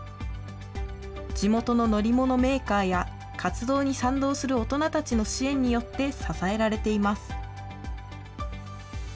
地元の乗り物メーカーや活動に賛同する大人たちの支援によって支えられています。